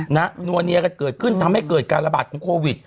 นัวเนียกันเกิดขึ้นทำให้เกิดการระบาดของโควิด